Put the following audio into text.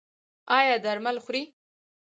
ایا درمل خورئ؟